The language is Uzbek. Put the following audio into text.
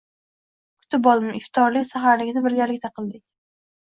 Kutib oldim, iftorlik, saxarlikni birgalikda qildik